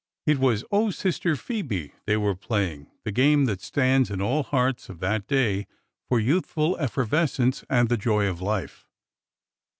It was Oh, Sister Phoebe !" they were playing— the game that stands in all hearts of that day for youthful effervescence and the joy of life.